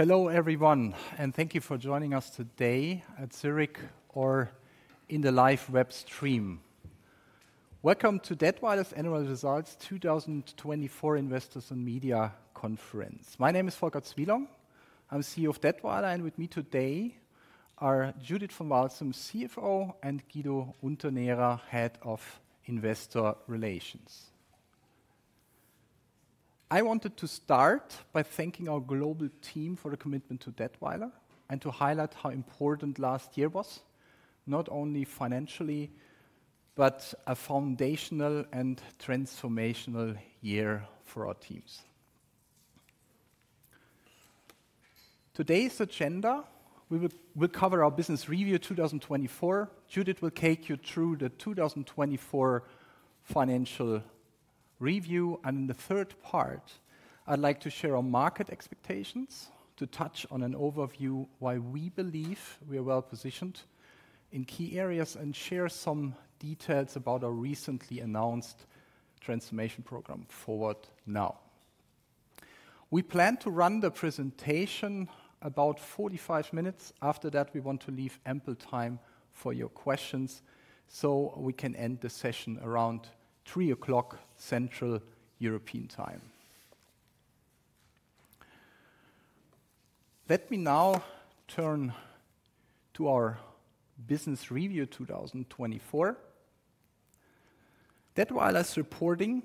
Hello everyone, and thank you for joining us today at Zurich or in the live web stream. Welcome to Datwyler's Annual Results 2024 Investors and Media Conference. My name is Volker Cwielong. I'm CEO of Datwyler, and with me today are Judith van Walsum, CFO, and Guido Unternährer, Head of Investor Relations. I wanted to start by thanking our global team for the commitment to Datwyler and to highlight how important last year was, not only financially, but a foundational and transformational year for our teams. Today's agenda: we will cover our Business Review 2024. Judith will take you through the 2024 financial review, and in the third part, I'd like to share our market expectations, to touch on an overview of why we believe we are well positioned in key areas, and share some details about our recently announced transformation program Forward Now. We plan to run the presentation about 45 minutes. After that, we want to leave ample time for your questions so we can end the session around 3:00 Central European Time. Let me now turn to our Business Review 2024. Datwyler is reporting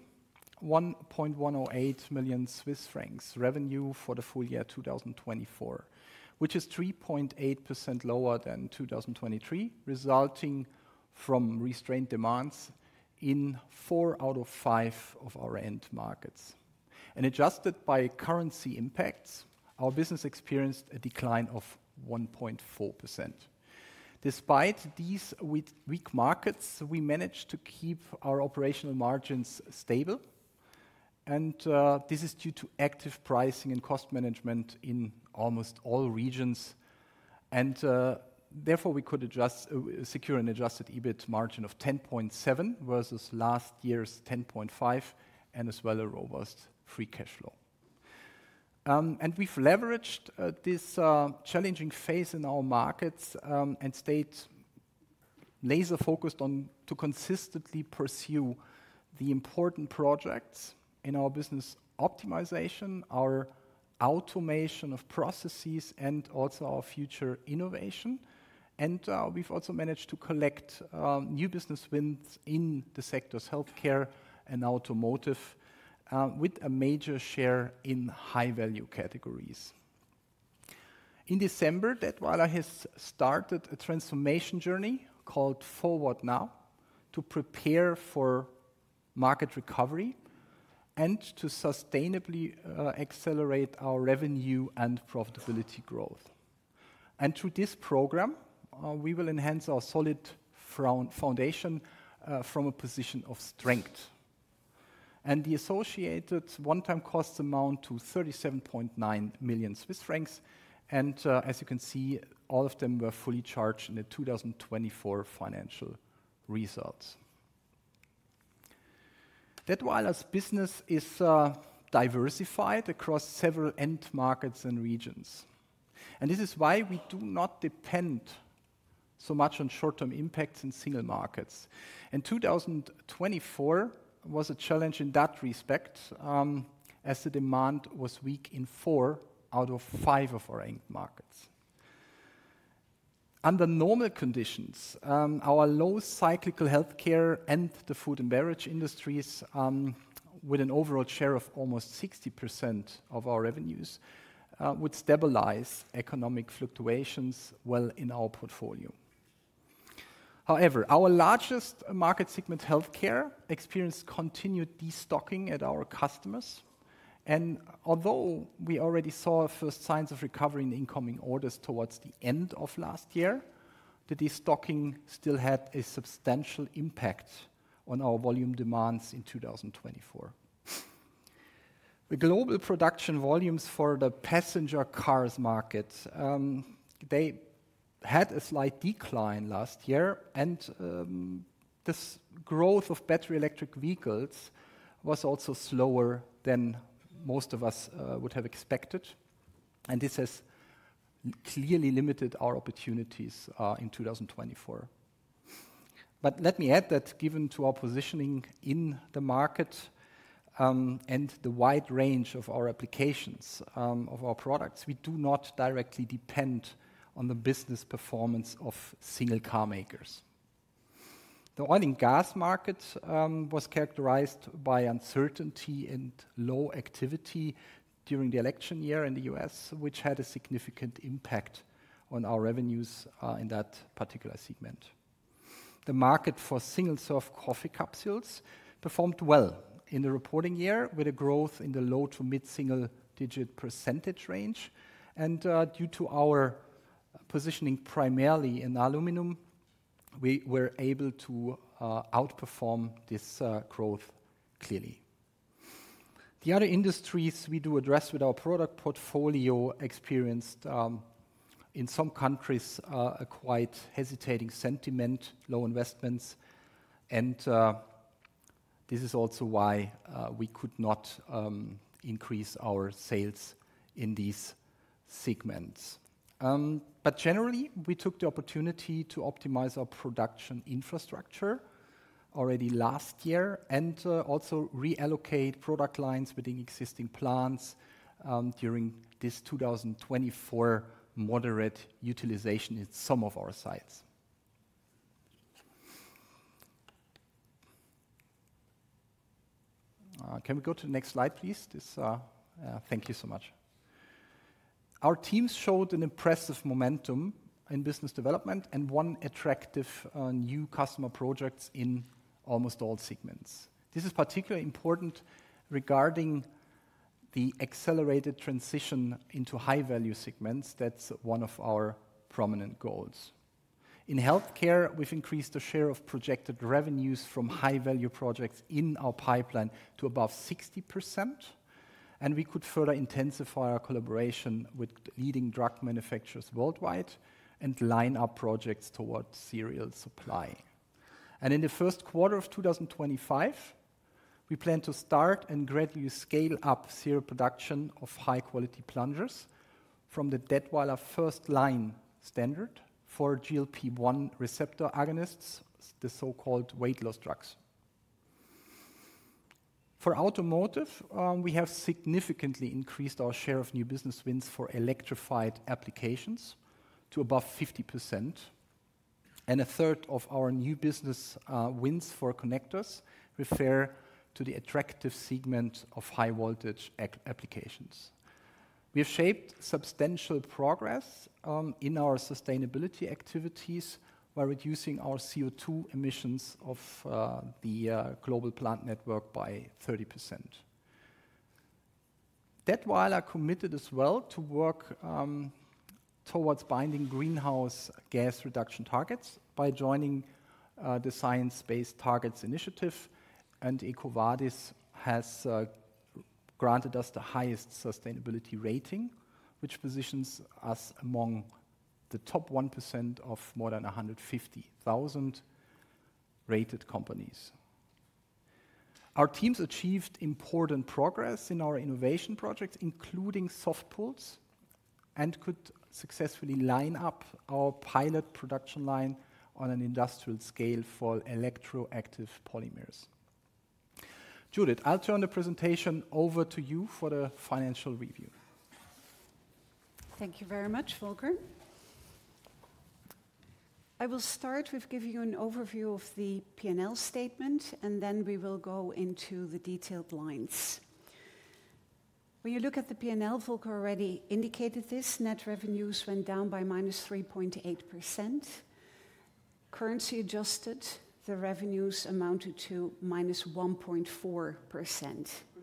1.108 million Swiss francs in revenue for the full year 2024, which is 3.8% lower than 2023, resulting from restrained demands in four out of five of our end markets, and adjusted by currency impacts, our business experienced a decline of 1.4%. Despite these weak markets, we managed to keep our operational margins stable, and this is due to active pricing and cost management in almost all regions, and therefore, we could secure an adjusted EBIT margin of 10.7% versus last year's 10.5%, and as well a robust free cash flow. We've leveraged this challenging phase in our markets and stayed laser-focused to consistently pursue the important projects in our business optimization, our automation of processes, and also our future innovation. We've also managed to collect new business wins in the sectors Healthcare and Automotive, with a major share in high-value categories. In December, Datwyler has started a transformation journey called Forward Now to prepare for market recovery and to sustainably accelerate our revenue and profitability growth. Through this program, we will enhance our solid foundation from a position of strength. The associated one-time costs amount to 37.9 million Swiss francs. As you can see, all of them were fully charged in the 2024 financial results. Datwyler's business is diversified across several end markets and regions. This is why we do not depend so much on short-term impacts in single markets. 2024 was a challenge in that respect as the demand was weak in four out of five of our end markets. Under normal conditions, our low cyclical Healthcare and the Food & Beverage industries, with an overall share of almost 60% of our revenues, would stabilize economic fluctuations well in our portfolio. However, our largest market segment, Healthcare, experienced continued destocking at our customers. Although we already saw first signs of recovery in incoming orders towards the end of last year, the destocking still had a substantial impact on our volume demands in 2024. The global production volumes for the passenger cars market, they had a slight decline last year. This growth of battery electric vehicles was also slower than most of us would have expected. This has clearly limited our opportunities in 2024. But let me add that given our positioning in the market and the wide range of our applications of our products, we do not directly depend on the business performance of single car makers. The Oil & Gas market was characterized by uncertainty and low activity during the election year in the U.S., which had a significant impact on our revenues in that particular segment. The market for single-serve coffee capsules performed well in the reporting year, with a growth in the low- to mid-single-digit % range. And due to our positioning primarily in aluminum, we were able to outperform this growth clearly. The other industries we do address with our product portfolio experienced, in some countries, a quite hesitating sentiment, low investments. And this is also why we could not increase our sales in these segments. But generally, we took the opportunity to optimize our production infrastructure already last year and also reallocate product lines within existing plants during this 2024 moderate utilization in some of our sites. Can we go to the next slide, please? Thank you so much. Our teams showed an impressive momentum in business development and won attractive new customer projects in almost all segments. This is particularly important regarding the accelerated transition into high-value segments. That's one of our prominent goals. In Healthcare, we've increased the share of projected revenues from high-value projects in our pipeline to above 60%. And we could further intensify our collaboration with leading drug manufacturers worldwide and line up projects towards serial supply. In the first quarter of 2025, we plan to start and gradually scale up serial production of high-quality plungers from the Datwyler FirstLine standard for GLP-1 receptor agonists, the so-called weight loss drugs. For Automotive, we have significantly increased our share of new business wins for electrified applications to above 50%. A third of our new business wins for connectors refer to the attractive segment of high-voltage applications. We have shaped substantial progress in our sustainability activities by reducing our CO2 emissions of the global plant network by 30%. Datwyler committed as well to work towards binding greenhouse gas reduction targets by joining the Science-Based Targets Initiative. EcoVadis has granted us the highest sustainability rating, which positions us among the top 1% of more than 150,000 rated companies. Our teams achieved important progress in our innovation projects, including SoftPulse, and could successfully line up our pilot production line on an industrial scale for electroactive polymers. Judith, I'll turn the presentation over to you for the financial review. Thank you very much, Volker. I will start with giving you an overview of the P&L statement, and then we will go into the detailed lines. When you look at the P&L, Volker already indicated this. Net revenues went down by -3.8%. Currency adjusted, the revenues amounted to -1.4%. Could you go to the next slide, please? Our remote control does not work.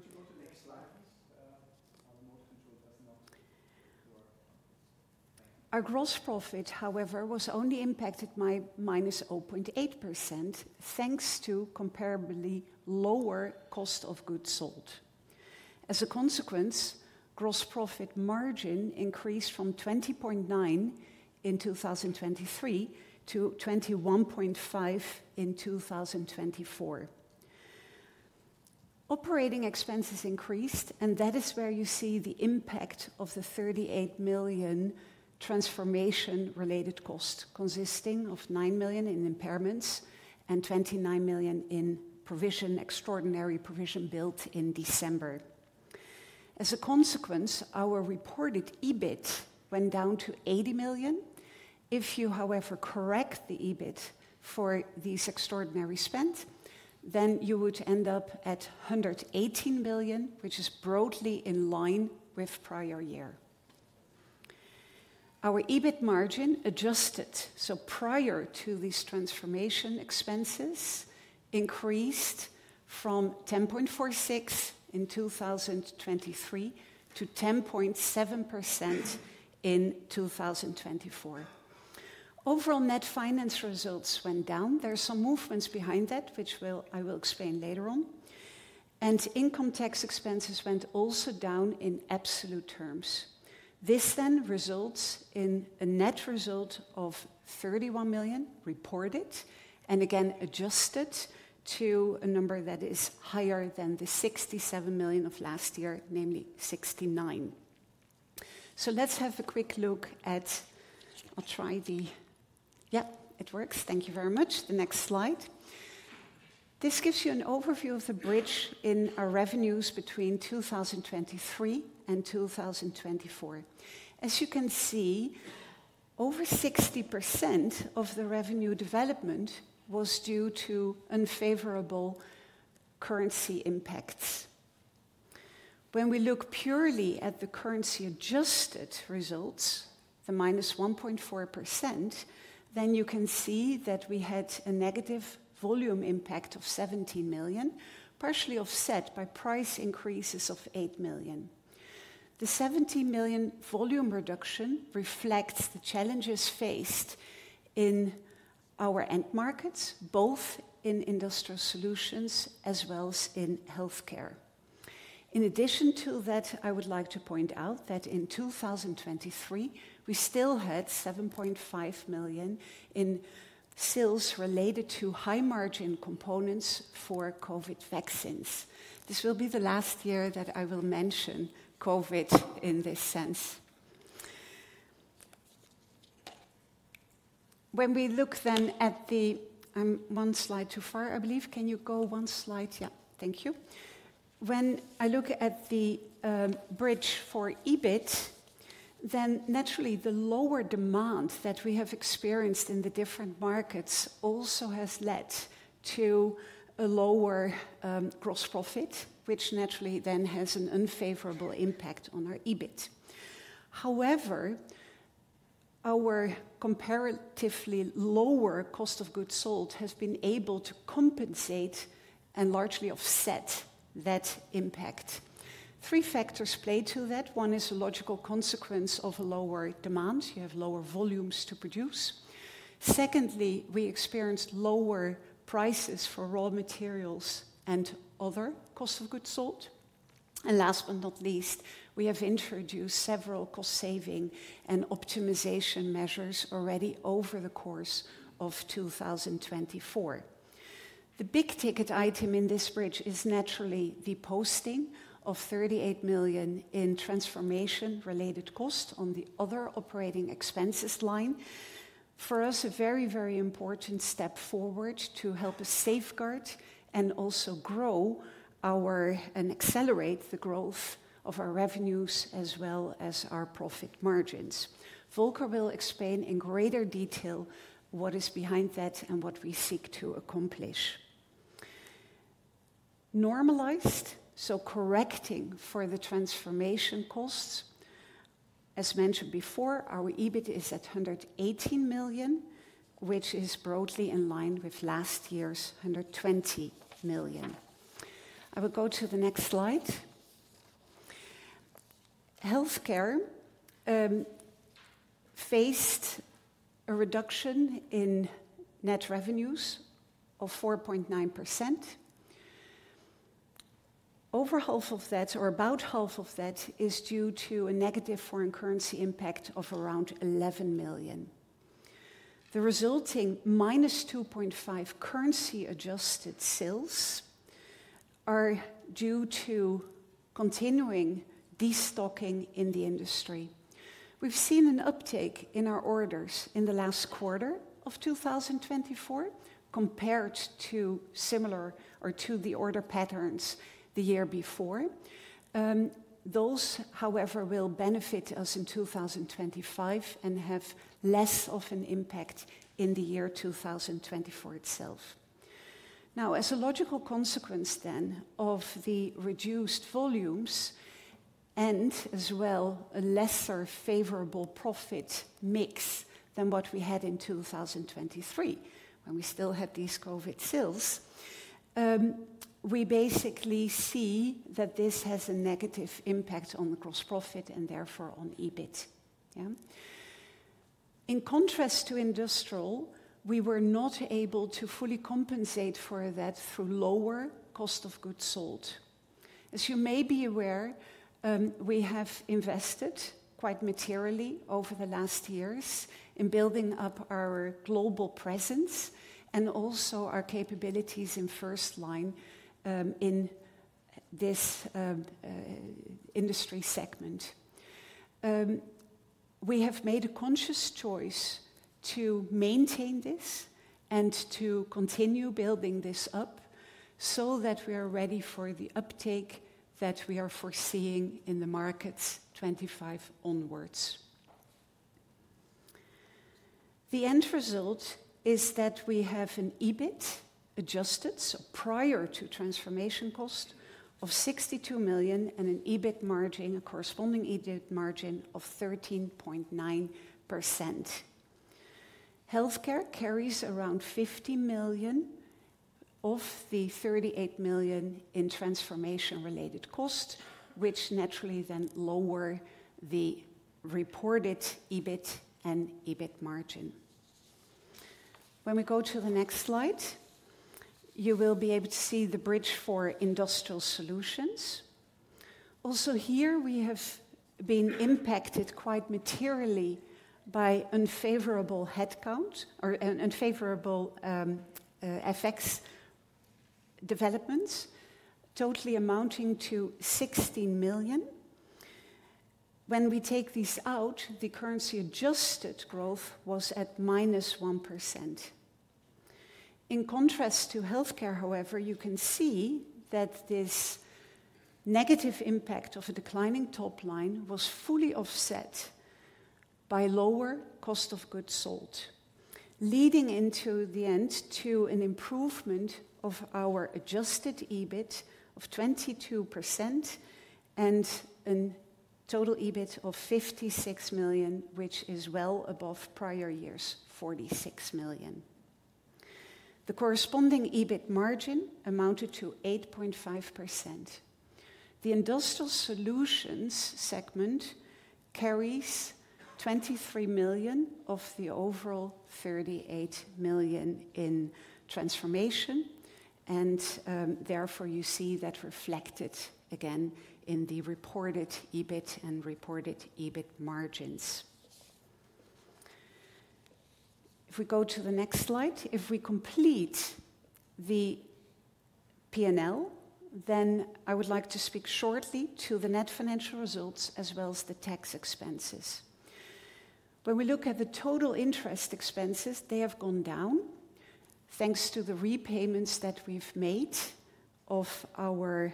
Our gross profit, however, was only impacted by minus 0.8% thanks to comparably lower cost of goods sold. As a consequence, gross profit margin increased from 20.9% in 2023 to 21.5% in 2024. Operating expenses increased, and that is where you see the impact of the 38 million transformation-related cost, consisting of 9 million in impairments and 29 million in extraordinary provision built in December. As a consequence, our reported EBIT went down to 80 million. If you, however, correct the EBIT for this extraordinary spend, then you would end up at 118 million, which is broadly in line with the prior year. Our EBIT margin adjusted. So prior to these transformation expenses, it increased from 10.46% in 2023 to 10.7% in 2024. Overall net finance results went down. There are some movements behind that, which I will explain later on. Income tax expenses went also down in absolute terms. This then results in a net result of 31 million reported and again adjusted to a number that is higher than the 67 million of last year, namely 69 million. Let's have a quick look at, I'll try the, yeah, it works. Thank you very much. The next slide. This gives you an overview of the bridge in our revenues between 2023 and 2024. As you can see, over 60% of the revenue development was due to unfavorable currency impacts. When we look purely at the currency-adjusted results, the minus 1.4%, then you can see that we had a negative volume impact of 17 million, partially offset by price increases of 8 million. The 17 million volume reduction reflects the challenges faced in our end markets, both in industrial solutions as well as in Healthcare. In addition to that, I would like to point out that in 2023, we still had 7.5 million in sales related to high-margin components for COVID vaccines. This will be the last year that I will mention COVID in this sense. When we look then at the, I'm one slide too far, I believe. Can you go one slide? Yeah, thank you. When I look at the bridge for EBIT, then naturally the lower demand that we have experienced in the different markets also has led to a lower gross profit, which naturally then has an unfavorable impact on our EBIT. However, our comparatively lower cost of goods sold has been able to compensate and largely offset that impact. Three factors play to that. One is a logical consequence of lower demand. You have lower volumes to produce. Secondly, we experienced lower prices for raw materials and other cost of goods sold. And last but not least, we have introduced several cost-saving and optimization measures already over the course of 2024. The big ticket item in this bridge is naturally the posting of 38 million in transformation-related cost on the other operating expenses line. For us, a very, very important step forward to help us safeguard and also grow our and accelerate the growth of our revenues as well as our profit margins. Volker will explain in greater detail what is behind that and what we seek to accomplish. Normalized, so correcting for the transformation costs. As mentioned before, our EBIT is at 118 million, which is broadly in line with last year's 120 million. I will go to the next slide. Healthcare faced a reduction in net revenues of 4.9%. Over half of that, or about half of that, is due to a negative foreign currency impact of around 11 million. The resulting minus 2.5% currency-adjusted sales are due to continuing destocking in the industry. We've seen an uptake in our orders in the last quarter of 2024 compared to similar or to the order patterns the year before. Those, however, will benefit us in 2025 and have less of an impact in the year 2024 itself. Now, as a logical consequence then of the reduced volumes and as well a lesser favorable profit mix than what we had in 2023, when we still had these COVID sales, we basically see that this has a negative impact on the gross profit and therefore on EBIT. In contrast to industrial, we were not able to fully compensate for that through lower cost of goods sold. As you may be aware, we have invested quite materially over the last years in building up our global presence and also our capabilities in FirstLine in this industry segment. We have made a conscious choice to maintain this and to continue building this up so that we are ready for the uptake that we are foreseeing in the markets 2025 onwards. The end result is that we have an EBIT adjusted, so prior to transformation cost of 62 million and an EBIT margin, a corresponding EBIT margin of 13.9%. Healthcare carries around 50 million of the 38 million in transformation-related cost, which naturally then lower the reported EBIT and EBIT margin. When we go to the next slide, you will be able to see the bridge for industrial solutions. Also here, we have been impacted quite materially by unfavorable headcount or unfavorable effects developments, totally amounting to 16 million. When we take these out, the currency-adjusted growth was at minus 1%. In contrast to Healthcare, however, you can see that this negative impact of a declining top line was fully offset by lower cost of goods sold, leading into the end to an improvement of our adjusted EBIT of 22% and a total EBIT of 56 million, which is well above prior year's 46 million. The corresponding EBIT margin amounted to 8.5%. The industrial solutions segment carries 23 million of the overall 38 million in transformation, and therefore you see that reflected again in the reported EBIT and reported EBIT margins. If we go to the next slide, if we complete the P&L, then I would like to speak shortly to the net financial results as well as the tax expenses. When we look at the total interest expenses, they have gone down thanks to the repayments that we've made of our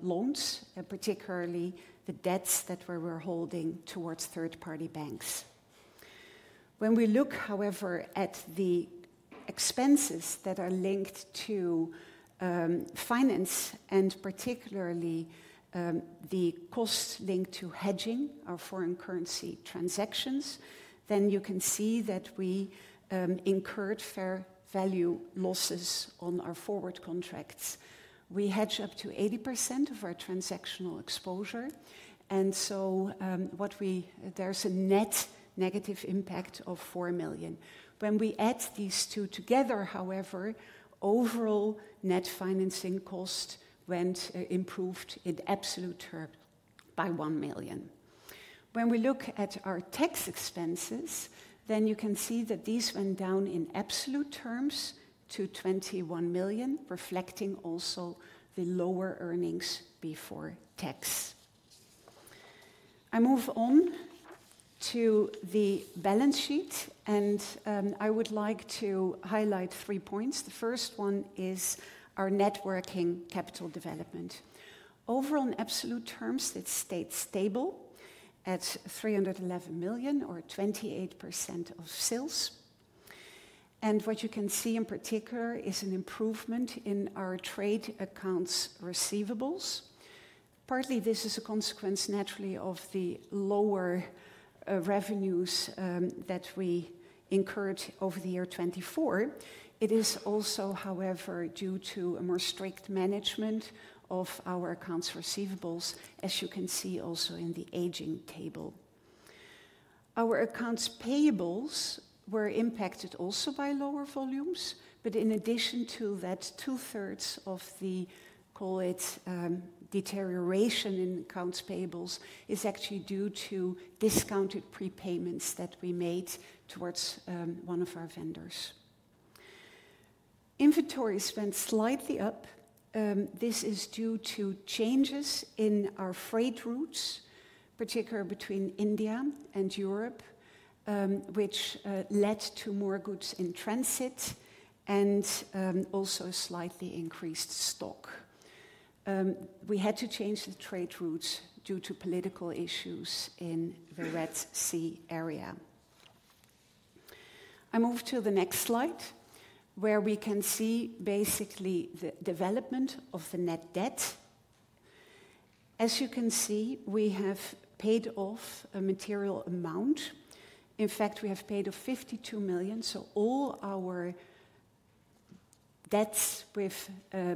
loans, particularly the debts that we're holding towards third-party banks. When we look, however, at the expenses that are linked to finance and particularly the costs linked to hedging our foreign currency transactions, then you can see that we incurred fair value losses on our forward contracts. We hedge up to 80% of our transactional exposure. And so there's a net negative impact of 4 million. When we add these two together, however, overall net financing cost went improved in absolute terms by 1 million. When we look at our tax expenses, then you can see that these went down in absolute terms to 21 million, reflecting also the lower earnings before tax. I move on to the balance sheet, and I would like to highlight three points. The first one is our net working capital development. Overall, in absolute terms, it stayed stable at 311 million or 28% of sales, and what you can see in particular is an improvement in our trade accounts receivables. Partly, this is a consequence naturally of the lower revenues that we incurred over the year 2024. It is also, however, due to a more strict management of our accounts receivables, as you can see also in the aging table. Our accounts payables were impacted also by lower volumes, but in addition to that, two-thirds of the, call it, deterioration in accounts payables is actually due to discounted prepayments that we made towards one of our vendors. Inventory went slightly up. This is due to changes in our freight routes, particularly between India and Europe, which led to more goods in transit and also slightly increased stock. We had to change the trade routes due to political issues in the Red Sea area. I move to the next slide, where we can see basically the development of the net debt. As you can see, we have paid off a material amount. In fact, we have paid off 52 million. So all our debts with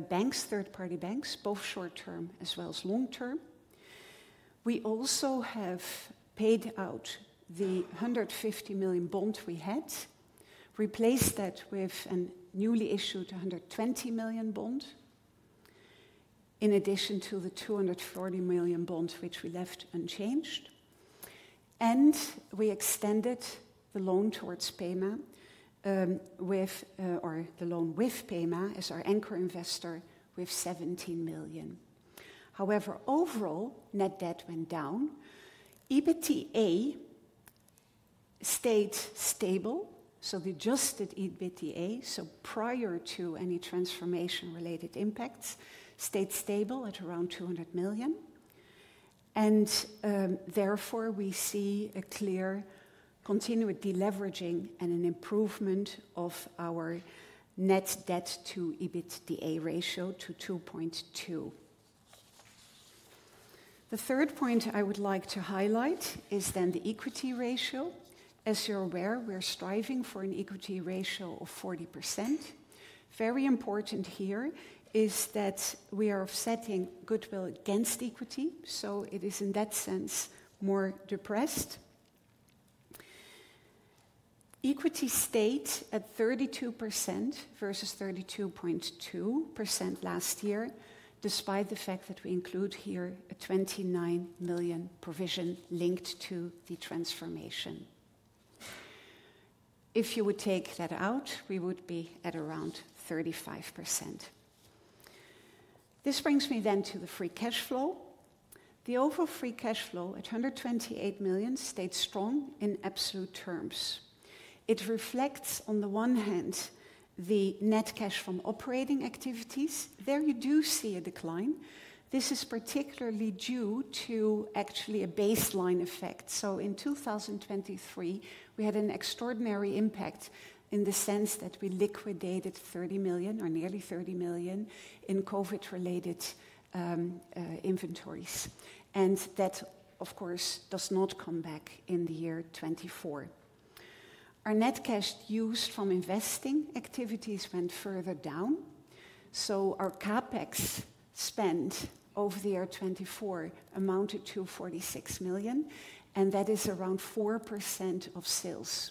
banks, third-party banks, both short-term as well as long-term. We also have paid out the 150 million bond we had and replaced that with a newly issued 120 million bond, in addition to the 240 million bond which we left unchanged. We extended the loan with Pema as our anchor investor with 17 million. However, overall, net debt went down. EBITDA stayed stable. We adjusted EBITDA. Prior to any transformation-related impacts, it stayed stable at around 200 million. Therefore, we see a clear continued deleveraging and an improvement of our net debt to EBITDA ratio to 2.2. The third point I would like to highlight is the equity ratio. As you're aware, we're striving for an equity ratio of 40%. Very important here is that we are offsetting goodwill against equity. It is in that sense more depressed. Equity stayed at 32% versus 32.2% last year, despite the fact that we include here a 29 million provision linked to the transformation. If you would take that out, we would be at around 35%. This brings me then to the free cash flow. The overall free cash flow at 128 million stayed strong in absolute terms. It reflects, on the one hand, the net cash from operating activities. There you do see a decline. This is particularly due to actually a baseline effect, so in 2023, we had an extraordinary impact in the sense that we liquidated 30 million or nearly 30 million in COVID-related inventories. And that, of course, does not come back in the year 2024. Our net cash used from investing activities went further down, so our CapEx spend over the year 2024 amounted to 46 million, and that is around 4% of sales.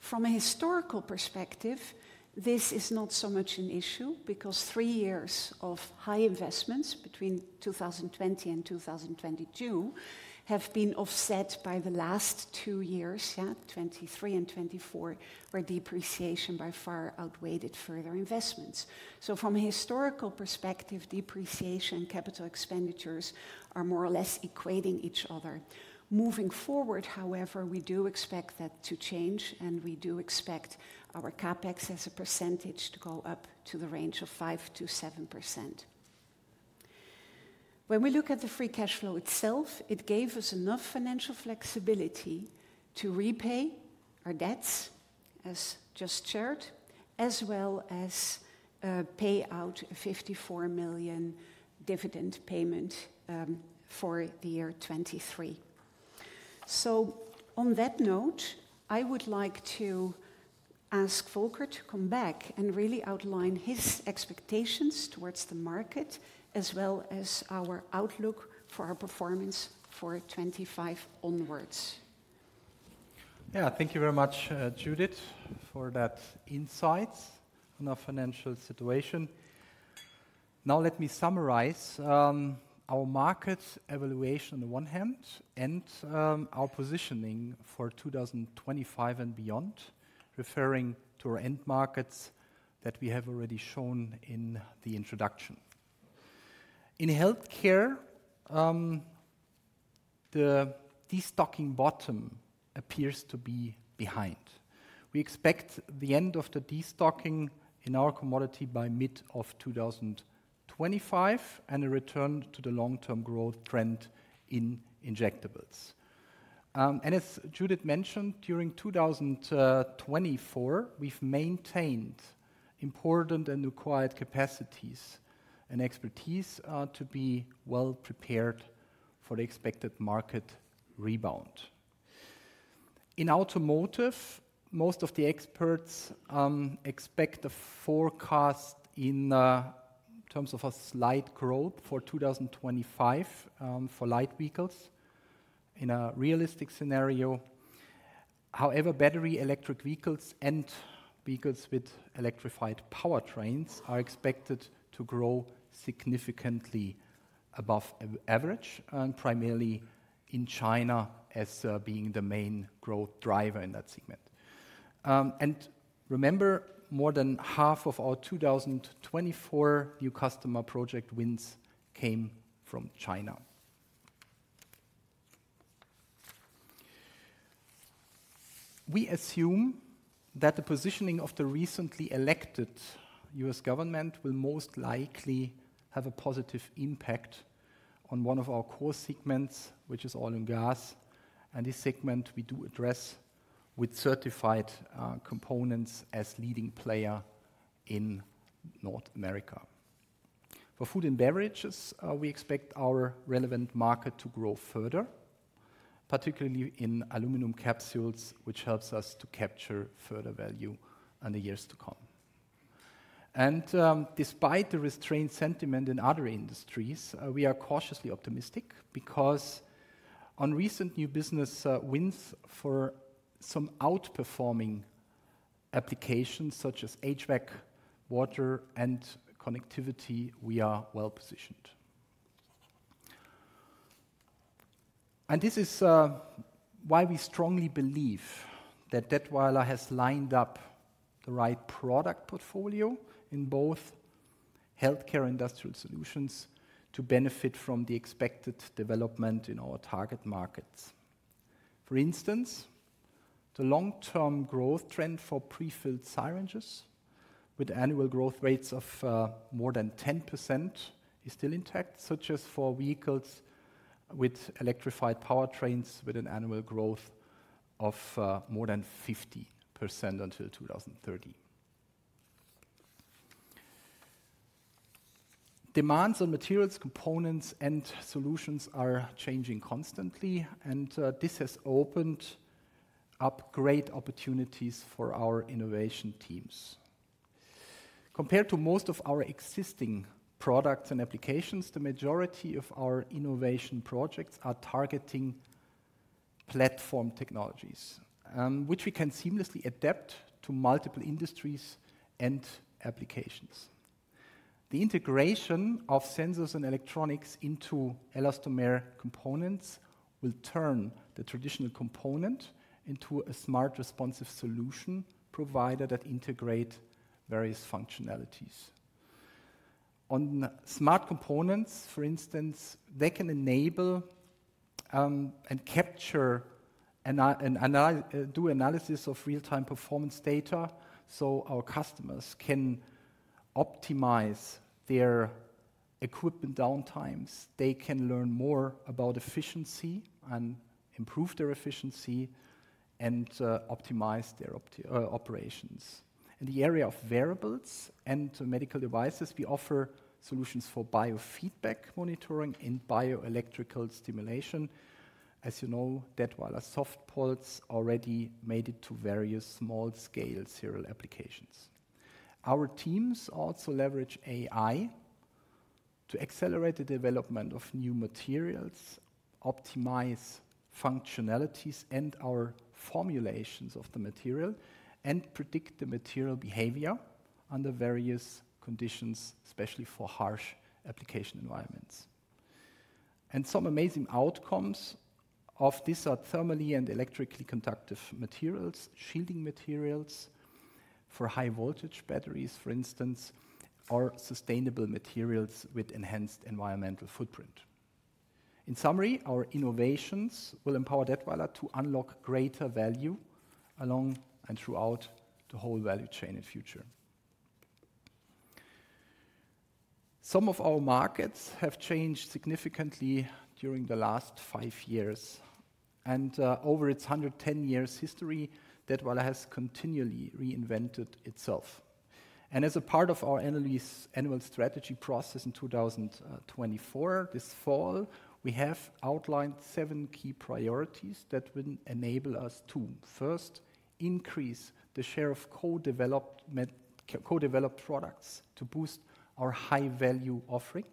From a historical perspective, this is not so much an issue because three years of high investments between 2020 and 2022 have been offset by the last two years, yeah, 2023 and 2024, where depreciation by far outweighed further investments, so from a historical perspective, depreciation and capital expenditures are more or less equating each other. Moving forward, however, we do expect that to change, and we do expect our CapEx as a percentage to go up to the range of 5%-7%. When we look at the free cash flow itself, it gave us enough financial flexibility to repay our debts, as just shared, as well as pay out a 54 million dividend payment for the year 2023. So on that note, I would like to ask Volker to come back and really outline his expectations towards the market as well as our outlook for our performance for 2025 onwards. Yeah, thank you very much, Judith, for that insight on our financial situation. Now let me summarize our market evaluation on the one hand and our positioning for 2025 and beyond, referring to our end markets that we have already shown in the introduction. In Healthcare, the destocking bottom appears to be behind. We expect the end of the destocking in our commodity by mid of 2025 and a return to the long-term growth trend in injectables. And as Judith mentioned, during 2024, we've maintained important and required capacities and expertise to be well prepared for the expected market rebound. In Automotive, most of the experts expect a forecast in terms of a slight growth for 2025 for light vehicles in a realistic scenario. However, battery electric vehicles and vehicles with electrified powertrains are expected to grow significantly above average, primarily in China as being the main growth driver in that segment, and remember, more than half of our 2024 new customer project wins came from China. We assume that the positioning of the recently elected U.S. government will most likely have a positive impact on one of our core segments, which is Oil & Gas, and this segment, we do address with certified components as leading player in North America. For Food & Beverages, we expect our relevant market to grow further, particularly in aluminum capsules, which helps us to capture further value in the years to come. And despite the restrained sentiment in other industries, we are cautiously optimistic because on recent new business wins for some outperforming applications such as HVAC, water, and connectivity, we are well positioned. And this is why we strongly believe that Datwyler has lined up the right product portfolio in both Healthcare industrial solutions to benefit from the expected development in our target markets. For instance, the long-term growth trend for prefilled syringes with annual growth rates of more than 10% is still intact, such as for vehicles with electrified powertrains with an annual growth of more than 50% until 2030. Demands on materials, components, and solutions are changing constantly, and this has opened up great opportunities for our innovation teams. Compared to most of our existing products and applications, the majority of our innovation projects are targeting platform technologies, which we can seamlessly adapt to multiple industries and applications. The integration of sensors and electronics into elastomeric components will turn the traditional component into a smart responsive solution provider that integrates various functionalities. On smart components, for instance, they can enable and capture and do analysis of real-time performance data so our customers can optimize their equipment downtimes. They can learn more about efficiency and improve their efficiency and optimize their operations. In the area of wearables and medical devices, we offer solutions for biofeedback monitoring in bioelectrical stimulation. As you know, Datwyler SoftPulse already made it to various small-scale serial applications. Our teams also leverage AI to accelerate the development of new materials, optimize functionalities and our formulations of the material, and predict the material behavior under various conditions, especially for harsh application environments. Some amazing outcomes of this are thermally and electrically conductive materials, shielding materials for high-voltage batteries, for instance, or sustainable materials with enhanced environmental footprint. In summary, our innovations will empower Datwyler to unlock greater value along and throughout the whole value chain in the future. Some of our markets have changed significantly during the last five years. Over its 110-year history, Datwyler has continually reinvented itself. As a part of our annual strategy process in 2024, this fall, we have outlined seven key priorities that will enable us to, first, increase the share of co-developed products to boost our high-value offering,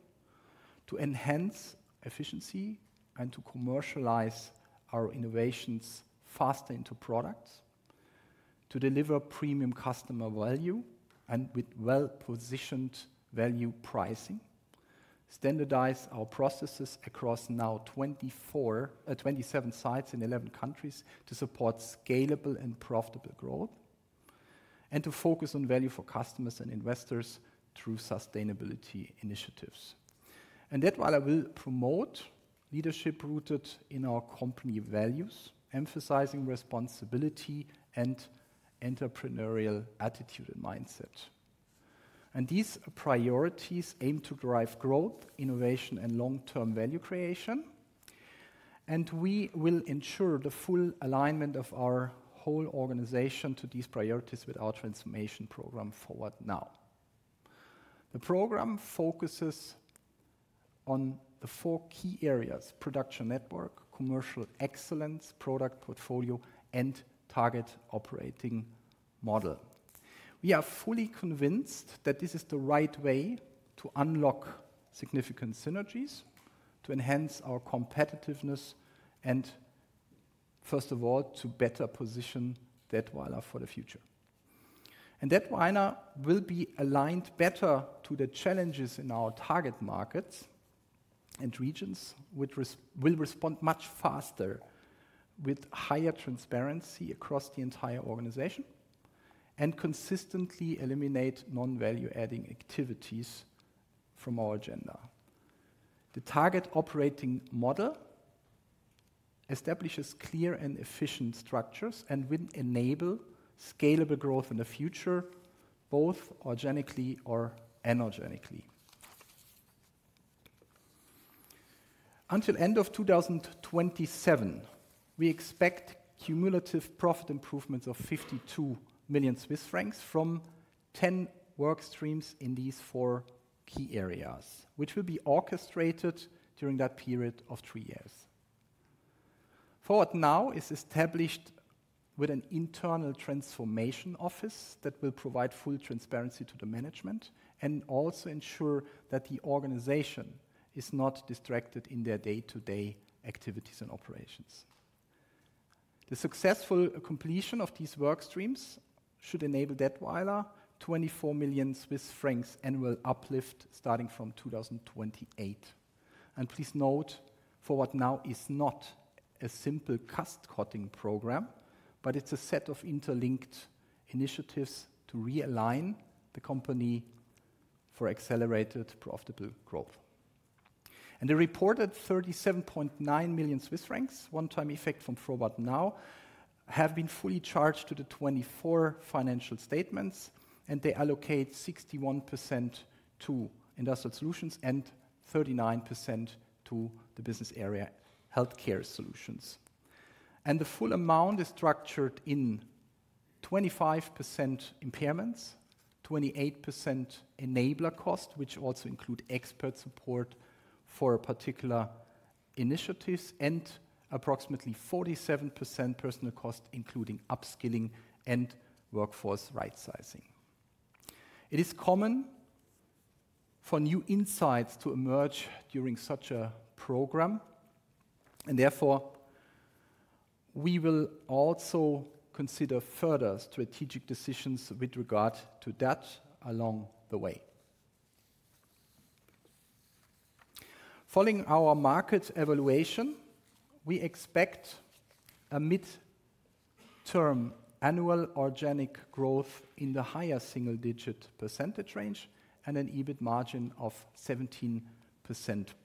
to enhance efficiency and to commercialize our innovations faster into products, to deliver premium customer value and with well-positioned value pricing, standardize our processes across now 27 sites in 11 countries to support scalable and profitable growth, and to focus on value for customers and investors through sustainability initiatives. Datwyler will promote leadership rooted in our company values, emphasizing responsibility and entrepreneurial attitude and mindset. These priorities aim to drive growth, innovation, and long-term value creation. We will ensure the full alignment of our whole organization to these priorities with our transformation program Forward Now. The program focuses on the four key areas: production network, commercial excellence, product portfolio, and target operating model. We are fully convinced that this is the right way to unlock significant synergies to enhance our competitiveness and, first of all, to better position Datwyler for the future. Datwyler will be aligned better to the challenges in our target markets and regions, which will respond much faster with higher transparency across the entire organization and consistently eliminate non-value-adding activities from our agenda. The target operating model establishes clear and efficient structures and will enable scalable growth in the future, both organically or inorganically. Until the end of 2027, we expect cumulative profit improvements of 52 million Swiss francs from 10 work streams in these four key areas, which will be orchestrated during that period of three years. Forward Now is established with an internal transformation office that will provide full transparency to the management and also ensure that the organization is not distracted in their day-to-day activities and operations. The successful completion of these work streams should enable Datwyler 24 million Swiss francs annual uplift starting from 2028. Please note, Forward Now is not a simple cost-cutting program, but it's a set of interlinked initiatives to realign the company for accelerated profitable growth. The reported 37.9 million Swiss francs, one-time effect from Forward Now, have been fully charged to the 2024 financial statements, and they allocate 61% to industrial solutions and 39% to the business area Healthcare solutions. The full amount is structured in 25% impairments, 28% enabler costs, which also include expert support for particular initiatives, and approximately 47% personnel costs, including upskilling and workforce right-sizing. It is common for new insights to emerge during such a program, and therefore, we will also consider further strategic decisions with regard to that along the way. Following our market evaluation, we expect a mid-term annual organic growth in the higher single-digit percentage range and an EBIT margin of 17%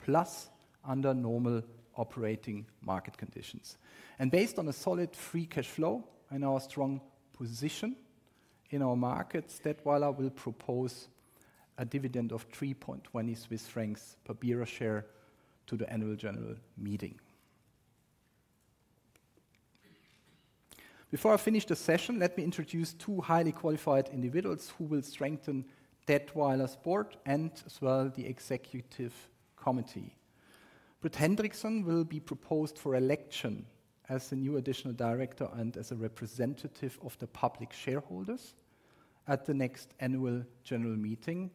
plus under normal operating market conditions, and based on a solid free cash flow and our strong position in our markets, Datwyler will propose a dividend of 3.20 Swiss francs per bearer share to the annual general meeting. Before I finish the session, let me introduce two highly qualified individuals who will strengthen Datwyler's board and as well the executive committee. Britt Henriksen will be proposed for election as a new additional director and as a representative of the public shareholders at the next annual general meeting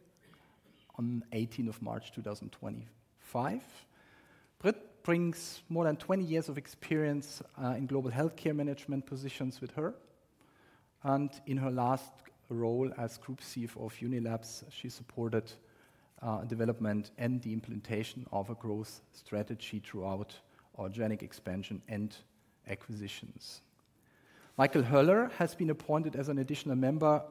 on 18 March 2025. Britt brings more than 20 years of experience in global Healthcare management positions with her. And in her last role as group CFO of Unilabs, she supported development and the implementation of a growth strategy throughout organic expansion and acquisitions. Michael Höller has been appointed as an additional member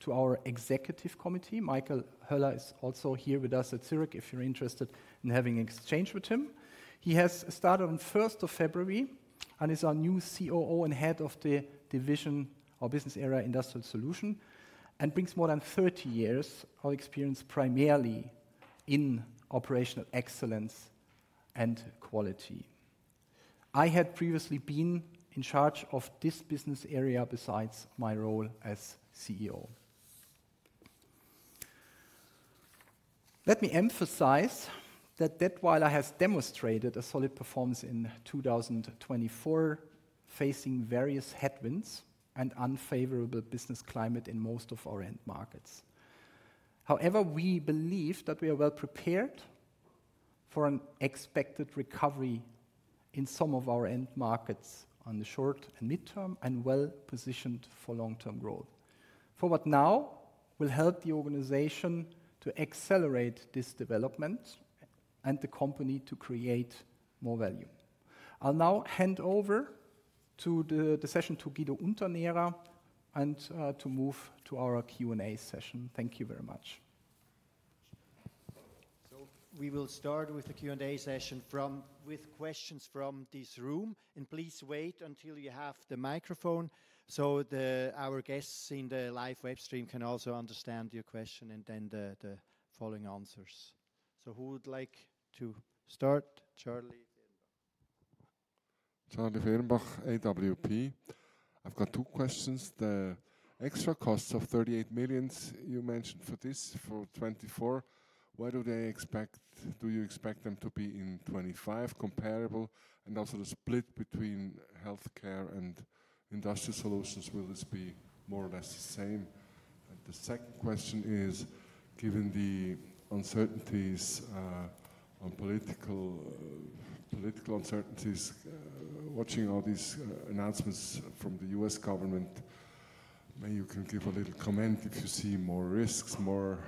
to our executive committee. Michael Höller is also here with us at Zurich, if you're interested in having an exchange with him. He has started on 1 February and is our new COO and head of the division or business area industrial solutions and brings more than 30 years of experience primarily in operational excellence and quality. I had previously been in charge of this business area besides my role as CEO. Let me emphasize that Datwyler has demonstrated a solid performance in 2024, facing various headwinds and unfavorable business climate in most of our end markets. However, we believe that we are well prepared for an expected recovery in some of our end markets on the short and midterm and well positioned for long-term growth. Forward Now will help the organization to accelerate this development and the company to create more value. I'll now hand over to the session to Guido Unternährer and to move to our Q&A session. Thank you very much. So we will start with the Q&A session with questions from this room, and please wait until you have the microphone so our guests in the live web stream can also understand your question and then the following answers. So who would like to start? Charlie Fehrenbach. Charlie Fehrenbach, AWP. I've got two questions. The extra costs of 38 million you mentioned for 2024, why do you expect them to be in 2025 comparable? And also the split between Healthcare and industrial solutions, will this be more or less the same? And the second question is, given the uncertainties on political uncertainties, watching all these announcements from the U.S. government, may you give a little comment if you see more risks, more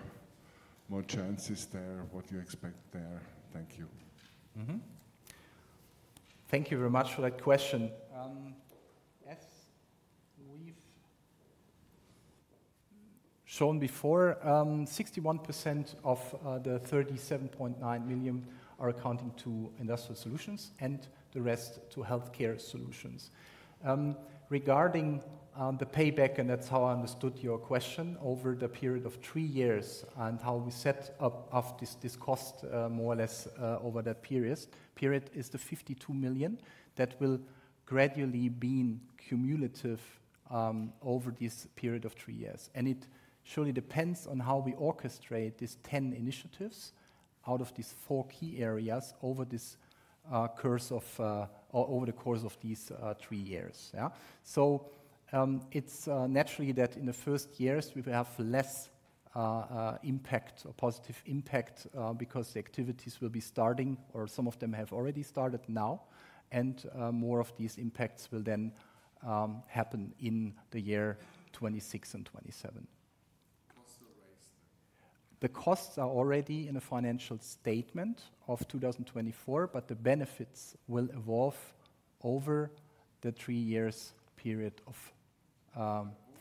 chances there, what do you expect there? Thank you. Thank you very much for that question. As we've shown before, 61% of the 37.9 million are accounting to industrial solutions and the rest to Healthcare solutions. Regarding the payback, and that's how I understood your question, over the period of three years and how we set up this cost more or less over that period is the 52 million that will gradually be cumulative over this period of three years. And it surely depends on how we orchestrate these 10 initiatives out of these four key areas over the course of these three years. So it's naturally that in the first years, we will have less impact or positive impact because the activities will be starting, or some of them have already started now, and more of these impacts will then happen in the year 2026 and 2027. Costs are already in the financial statement of 2024, but the benefits will evolve over the three years period of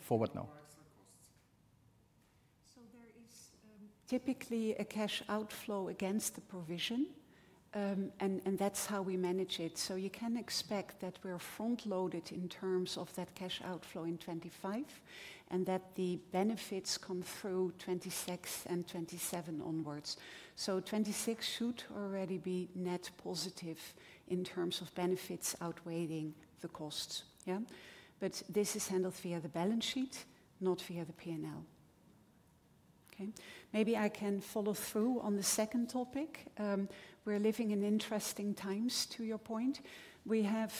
Forward Now. So there is typically a cash outflow against the provision, and that's how we manage it. So you can expect that we're front-loaded in terms of that cash outflow in 2025 and that the benefits come through 2026 and 2027 onwards. So 2026 should already be net positive in terms of benefits outweighing the costs. But this is handled via the balance sheet, not via the P&L. Okay. Maybe I can follow through on the second topic. We're living in interesting times, to your point. We have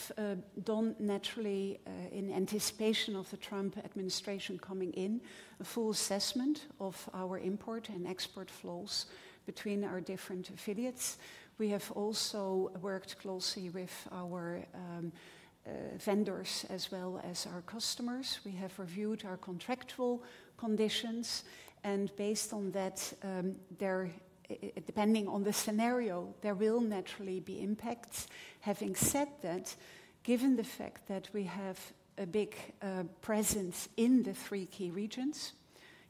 done naturally, in anticipation of the Trump administration coming in, a full assessment of our import and export flows between our different affiliates. We have also worked closely with our vendors as well as our customers. We have reviewed our contractual conditions. And based on that, depending on the scenario, there will naturally be impacts. Having said that, given the fact that we have a big presence in the three key regions,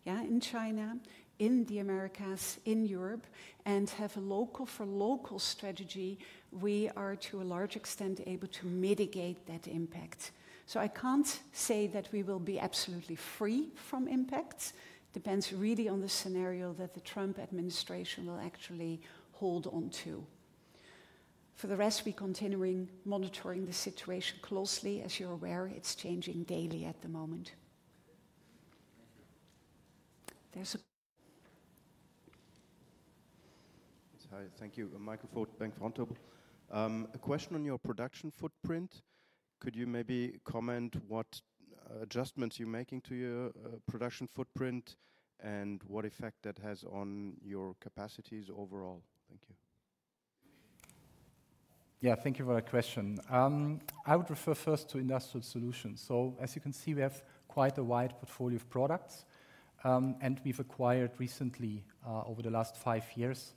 in China, in the Americas, in Europe, and have a local-for-local strategy, we are to a large extent able to mitigate that impact. So I can't say that we will be absolutely free from impacts. It depends really on the scenario that the Trump administration will actually hold on to. For the rest, we are continuing monitoring the situation closely. As you're aware, it's changing daily at the moment. Thank you. Michael Foeth, Bank Vontobel. A question on your production footprint. Could you maybe comment on what adjustments you're making to your production footprint and what effect that has on your capacities overall? Thank you. Yeah, thank you for that question. I would refer first to industrial solutions. So as you can see, we have quite a wide portfolio of products, and we've acquired recently, over the last five years,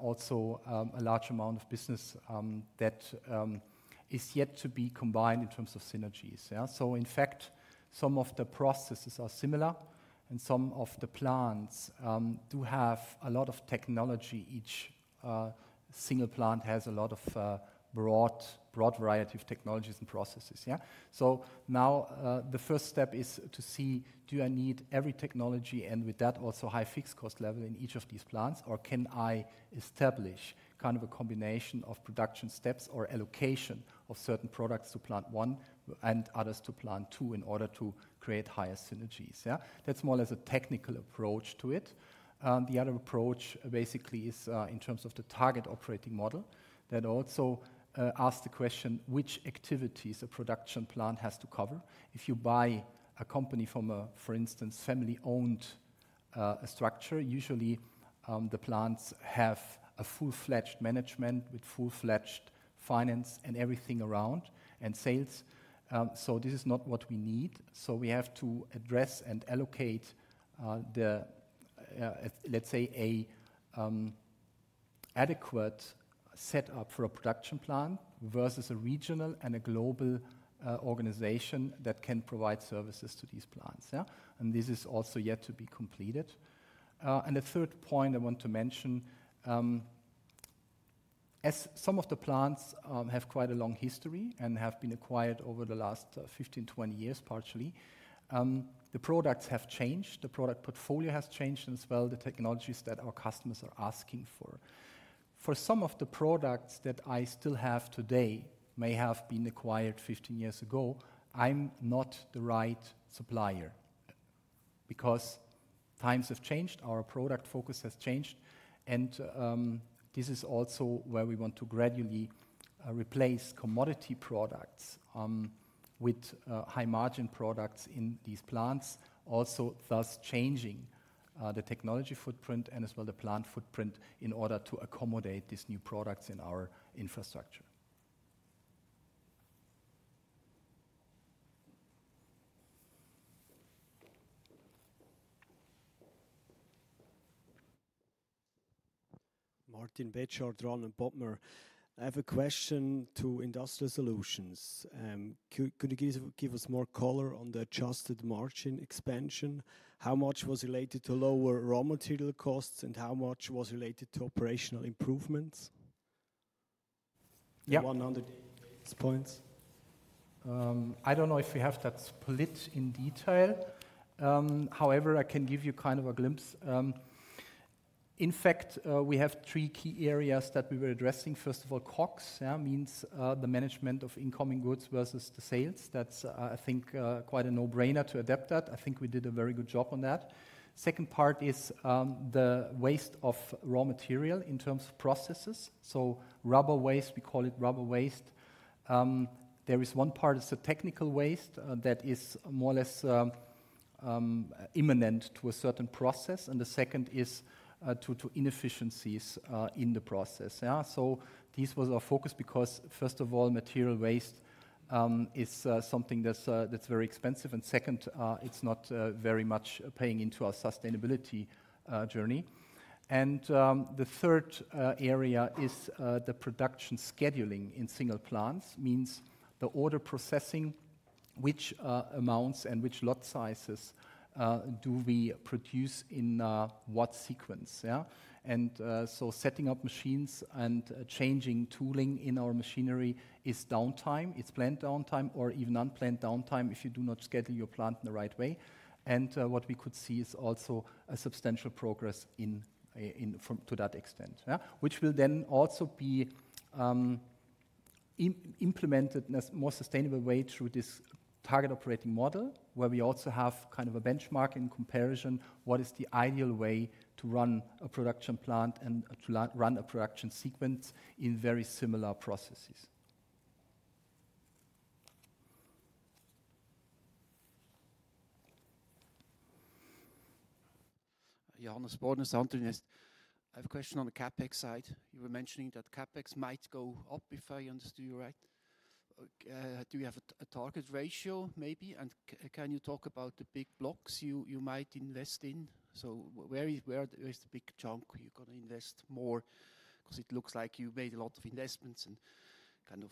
also a large amount of business that is yet to be combined in terms of synergies. So in fact, some of the processes are similar, and some of the plants do have a lot of technology. Each single plant has a lot of broad variety of technologies and processes. So now the first step is to see, do I need every technology and with that also high fixed cost level in each of these plants, or can I establish kind of a combination of production steps or allocation of certain products to plant one and others to plant two in order to create higher synergies? That's more or less a technical approach to it. The other approach basically is in terms of the target operating model that also asks the question, which activities a production plant has to cover? If you buy a company from a, for instance, family-owned structure, usually the plants have a full-fledged management with full-fledged finance and everything around and sales. So this is not what we need. So we have to address and allocate the, let's say, an adequate setup for a production plant versus a regional and a global organization that can provide services to these plants. And this is also yet to be completed. And the third point I want to mention, as some of the plants have quite a long history and have been acquired over the last 15, 20 years partially, the products have changed. The product portfolio has changed as well. The technologies that our customers are asking for. For some of the products that I still have today may have been acquired 15 years ago, I'm not the right supplier because times have changed. Our product focus has changed. And this is also where we want to gradually replace commodity products with high-margin products in these plants, also thus changing the technology footprint and as well the plant footprint in order to accommodate these new products in our infrastructure. Martin Betschart, Albin Kistler. I have a question to Industrial Solutions. Could you give us more color on the adjusted margin expansion? How much was related to lower raw material costs and how much was related to operational improvements? Yeah. 100 points. I don't know if we have that split in detail. However, I can give you kind of a glimpse. In fact, we have three key areas that we were addressing. First of all, COGS means the management of incoming goods versus the sales. That's, I think, quite a no-brainer to adapt that. I think we did a very good job on that. Second part is the waste of raw material in terms of processes. So rubber waste, we call it rubber waste. There is one part that's a technical waste that is more or less inherent to a certain process, and the second is to inefficiencies in the process. So this was our focus because, first of all, material waste is something that's very expensive, and second, it's not very much playing into our sustainability journey. And the third area is the production scheduling in single plants means the order processing, which amounts and which lot sizes do we produce in what sequence? And so setting up machines and changing tooling in our machinery is downtime, it's planned downtime or even unplanned downtime if you do not schedule your plant in the right way. What we could see is also a substantial progress to that extent, which will then also be implemented in a more sustainable way through this target operating model where we also have kind of a benchmark in comparison what is the ideal way to run a production plant and to run a production sequence in very similar processes. Johannes Bohn is underneath. I have a question on the CapEx side. You were mentioning that CapEx might go up if I understood you right. Do you have a target ratio maybe? And can you talk about the big blocks you might invest in? So where is the big chunk you're going to invest more? Because it looks like you made a lot of investments and kind of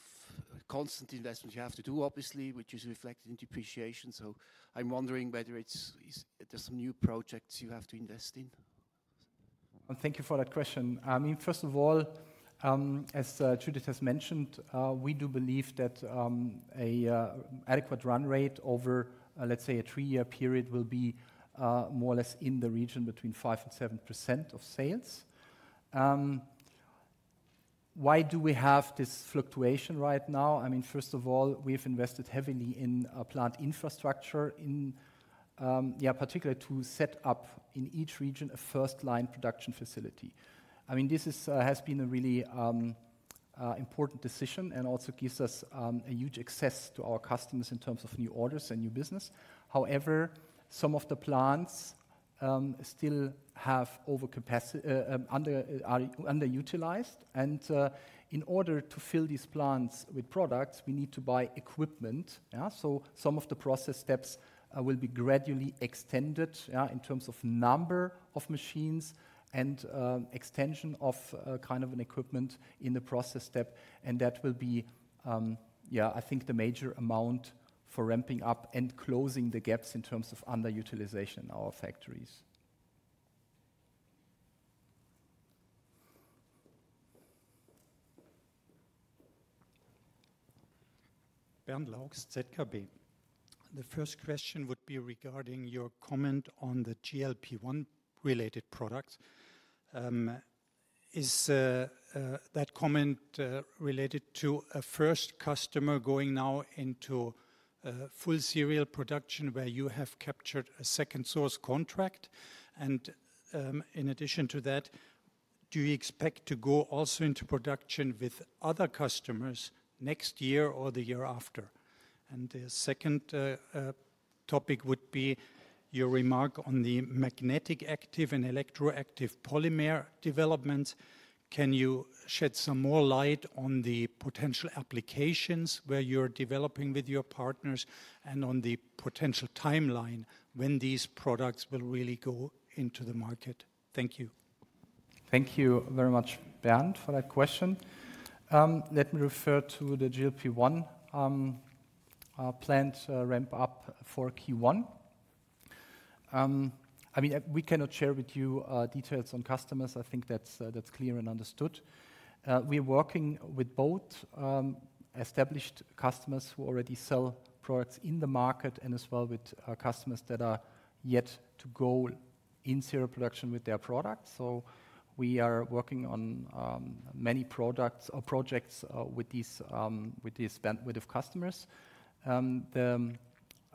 constant investments you have to do, obviously, which is reflected in depreciation. So I'm wondering whether there are some new projects you have to invest in. Thank you for that question. First of all, as Judith has mentioned, we do believe that an adequate run rate over, let's say, a three-year period will be more or less in the region between 5%-7% of sales. Why do we have this fluctuation right now? I mean, first of all, we've invested heavily in plant infrastructure in particular to set up in each region a FirstLine production facility. I mean, this has been a really important decision and also gives us a huge access to our customers in terms of new orders and new business. However, some of the plants still have overcapacity, underutilized. And in order to fill these plants with products, we need to buy equipment. So some of the process steps will be gradually extended in terms of number of machines and extension of kind of an equipment in the process step. And that will be, yeah, I think the major amount for ramping up and closing the gaps in terms of underutilization in our factories. Bernd Laux, ZKB. The first question would be regarding your comment on the GLP-1 related products. Is that comment related to a first customer going now into full serial production where you have captured a second source contract? And in addition to that, do you expect to go also into production with other customers next year or the year after? And the second topic would be your remark on the magnetic active and electroactive polymer developments. Can you shed some more light on the potential applications where you're developing with your partners and on the potential timeline when these products will really go into the market? Thank you. Thank you very much, Bernd, for that question. Let me refer to the GLP-1 plant ramp-up for Q1. I mean, we cannot share with you details on customers. I think that's clear and understood. We are working with both established customers who already sell products in the market and as well with customers that are yet to go in serial production with their products. So we are working on many products or projects with these bandwidth of customers. The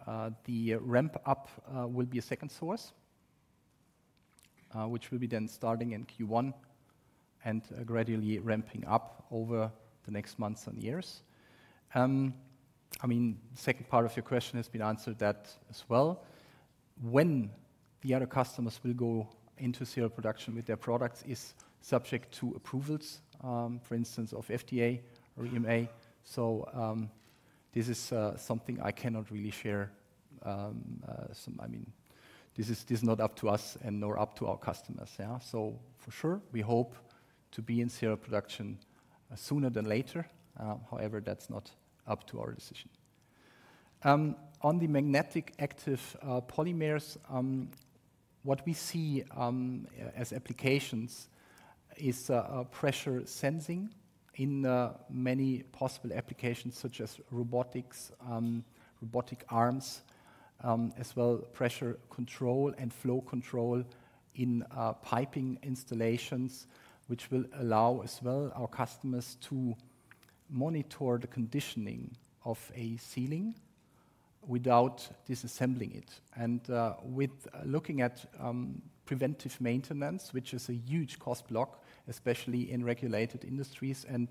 ramp-up will be a second source, which will be then starting in Q1 and gradually ramping up over the next months and years. I mean, the second part of your question has been answered that as well. When the other customers will go into serial production with their products is subject to approvals, for instance, of FDA or EMA. So this is something I cannot really share. I mean, this is not up to us and nor up to our customers. So for sure, we hope to be in serial production sooner than later. However, that's not up to our decision. On the magnetic active polymers, what we see as applications is pressure sensing in many possible applications such as robotics, robotic arms, as well pressure control and flow control in piping installations, which will allow as well our customers to monitor the conditioning of a sealing without disassembling it, and with looking at preventive maintenance, which is a huge cost block, especially in regulated industries and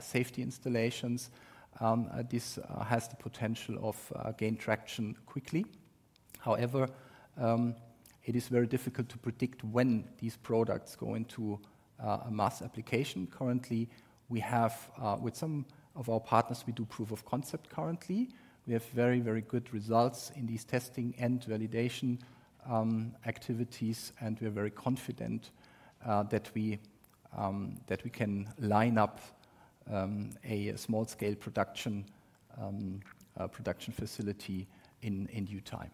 safety installations, this has the potential of gaining traction quickly. However, it is very difficult to predict when these products go into a mass application. Currently, with some of our partners, we do proof of concept currently. We have very, very good results in these testing and validation activities, and we are very confident that we can line up a small-scale production facility in due time.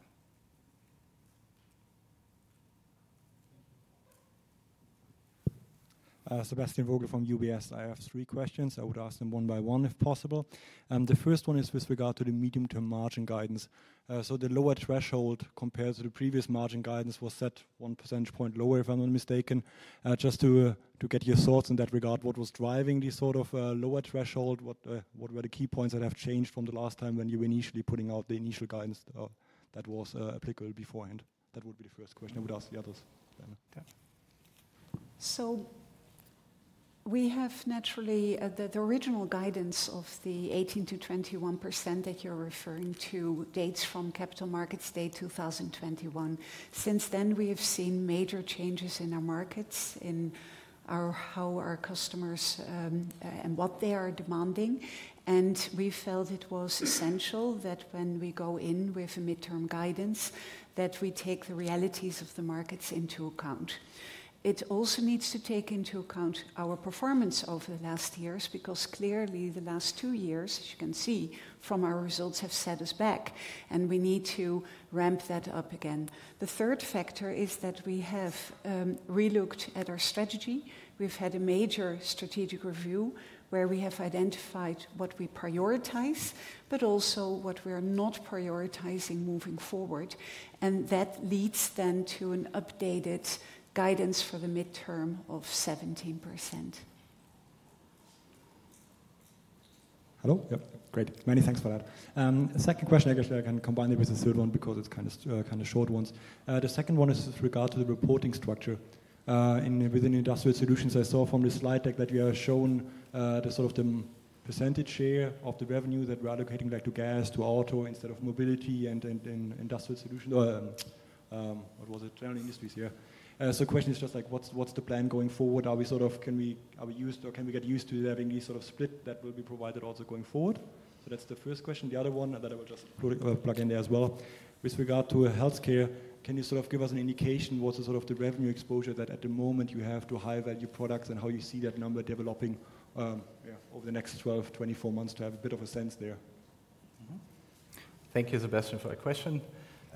Sebastian Vogel from UBS, I have three questions. I would ask them one by one if possible. The first one is with regard to the medium-term margin guidance. So the lower threshold compared to the previous margin guidance was set one percentage point lower, if I'm not mistaken. Just to get your thoughts in that regard, what was driving this sort of lower threshold? What were the key points that have changed from the last time when you were initially putting out the initial guidance that was applicable beforehand? That would be the first question. I would ask the others. So we have naturally the original guidance of the 18%-21% that you're referring to dates from Capital Markets Day 2021. Since then, we have seen major changes in our markets, in how our customers and what they are demanding. And we felt it was essential that when we go in with a midterm guidance, that we take the realities of the markets into account. It also needs to take into account our performance over the last years because clearly the last two years, as you can see from our results, have set us back, and we need to ramp that up again. The third factor is that we have relooked at our strategy. We've had a major strategic review where we have identified what we prioritize, but also what we are not prioritizing moving forward. And that leads then to an updated guidance for the midterm of 17%. Hello. Yep. Great. Many thanks for that. Second question, I guess I can combine it with the third one because it's kind of short ones. The second one is with regard to the reporting structure. Within Industrial Solutions, I saw from the slide deck that you have shown the sort of the percentage share of the revenue that we're allocating to gas, to auto instead of mobility and industrial solutions. What was it? General Industries here. So the question is just like, what's the plan going forward? Are we sort of, can we use or can we get used to having this sort of split that will be provided also going forward? So that's the first question. The other one that I will just plug in there as well. With regard to Healthcare, can you sort of give us an indication what's the sort of revenue exposure that at the moment you have to high-value products and how you see that number developing over the next 12, 24 months to have a bit of a sense there? Thank you, Sebastian, for that question.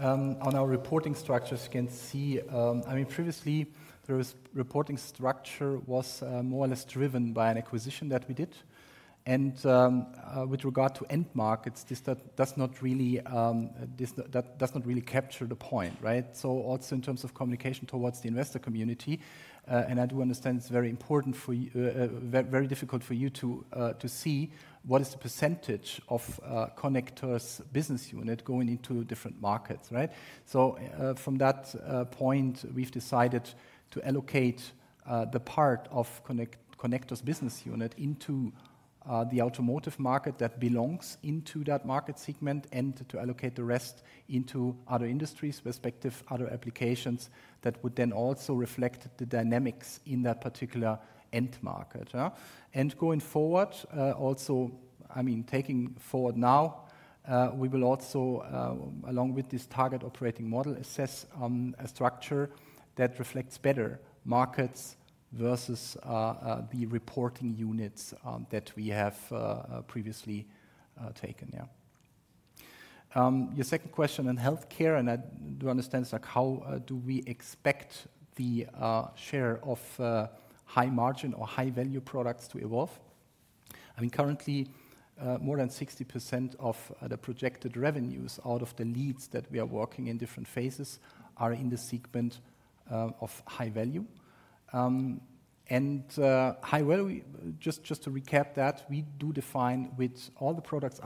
On our reporting structure, as you can see, I mean, previously the reporting structure was more or less driven by an acquisition that we did and with regard to end markets, this does not really capture the point, right? So also in terms of communication towards the investor community, and I do understand it's very important for you, very difficult for you to see what is the percentage of Connectors business unit going into different markets, right? From that point, we've decided to allocate the part of Connectors business unit into the Automotive market that belongs into that market segment and to allocate the rest into other industries, respective other applications that would then also reflect the dynamics in that particular end market. Going forward, also, I mean, taking Forward Now, we will also, along with this target operating model, assess a structure that reflects better markets versus the reporting units that we have previously taken. Yeah. Your second question on Healthcare, and I do understand: how do we expect the share of high-margin or high-value products to evolve? I mean, currently, more than 60% of the projected revenues out of the leads that we are working in different phases are in the segment of high-value. High-value, just to recap that, we do define with all the products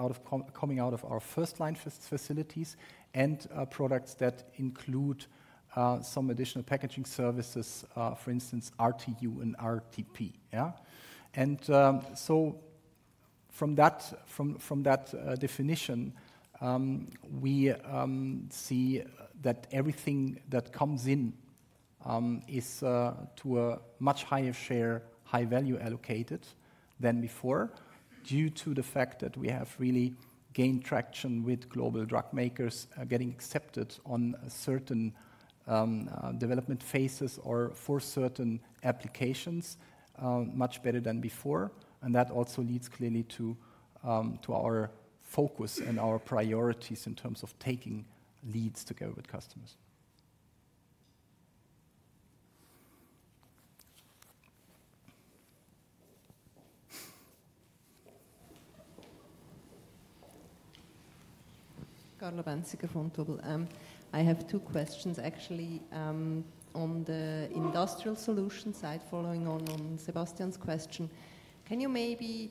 coming out of our FirstLine facilities and products that include some additional packaging services, for instance, RTU and RTP. So from that definition, we see that everything that comes in is to a much higher share, high-value allocated than before due to the fact that we have really gained traction with global drug makers getting accepted on certain development phases or for certain applications much better than before. And that also leads clearly to our focus and our priorities in terms of taking leads together with customers. Carla Baenziger from Vontobel. I have two questions actually on the Industrial Solutions side, following on Sebastian's question. Can you maybe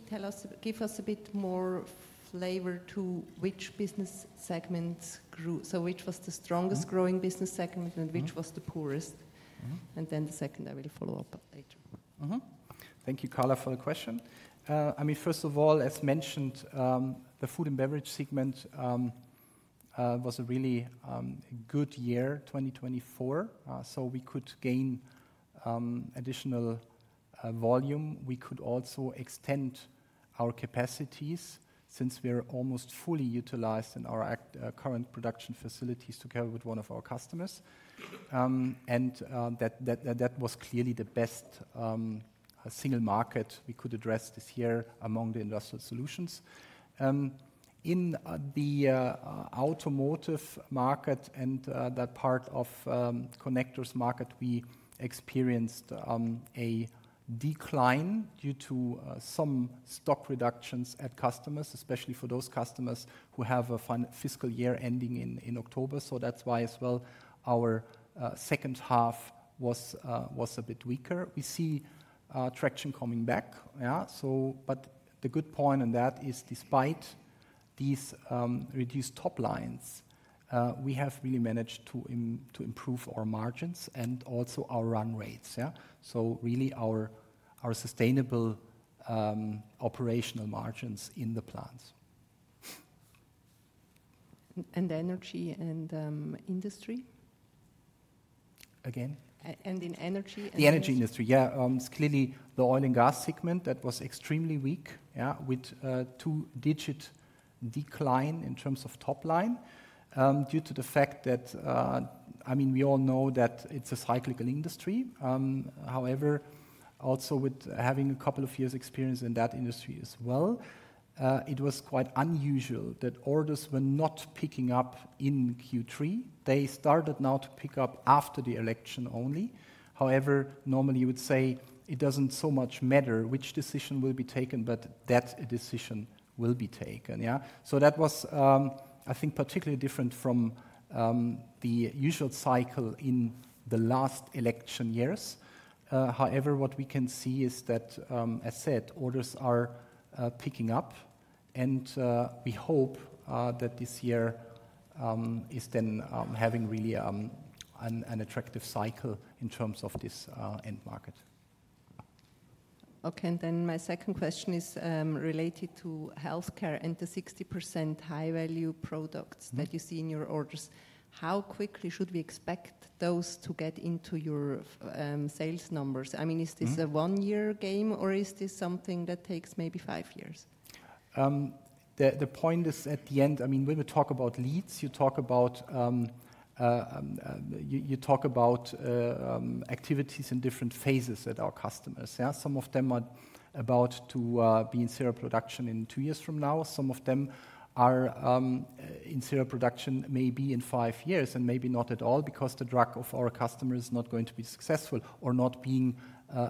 give us a bit more flavor to which business segments grew? So which was the strongest growing business segment and which was the poorest? And then the second, I will follow up later. Thank you, Carla, for the question. I mean, first of all, as mentioned, the Food & Beverage segment was a really good year, 2024. So we could gain additional volume. We could also extend our capacities since we are almost fully utilized in our current production facilities together with one of our customers. And that was clearly the best single market we could address this year among the Industrial Solutions. In the Automotive market and that part of Connectors market, we experienced a decline due to some stock reductions at customers, especially for those customers who have a fiscal year ending in October. So that's why as well our second half was a bit weaker. We see traction coming back. But the good point in that is despite these reduced top lines, we have really managed to improve our margins and also our run rates. So really our sustainable operational margins in the plants. And the energy industry, yeah. It's clearly the Oil & Gas segment that was extremely weak with two-digit decline in terms of top line due to the fact that, I mean, we all know that it's a cyclical industry. However, also with having a couple of years' experience in that industry as well, it was quite unusual that orders were not picking up in Q3. They started now to pick up after the election only. However, normally you would say it doesn't so much matter which decision will be taken, but that a decision will be taken. So that was, I think, particularly different from the usual cycle in the last election years. However, what we can see is that, as said, orders are picking up, and we hope that this year is then having really an attractive cycle in terms of this end market. Okay. And then my second question is related to Healthcare and the 60% high-value products that you see in your orders. How quickly should we expect those to get into your sales numbers? I mean, is this a one-year game or is this something that takes maybe five years? The point is at the end, I mean, when we talk about leads, you talk about activities in different phases at our customers. Some of them are about to be in serial production in two years from now. Some of them are in serial production maybe in five years and maybe not at all because the drug of our customer is not going to be successful or not being